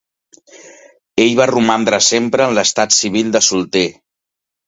Ell va romandre sempre en l’estat civil de solter.